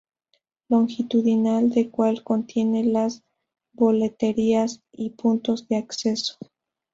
Longitudinal, el cual contiene las boleterías y puntos de acceso.